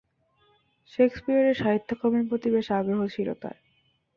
শেকসপিয়রের সাহিত্যকর্মের প্রতি বেশ আগ্রহ ছিল তার।